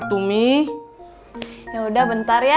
coba gue dibukanya